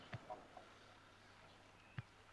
Ammo asosiy ulush davlat izmida edi.